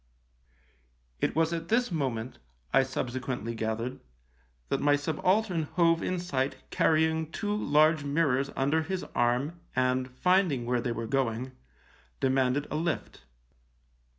" It was at this moment, I subsequently gathered, that my subaltern hove in sight carrying two large mirrors under his arm and, finding where they were going, demanded a lift.